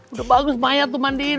udah bagus mayat tuh mandiin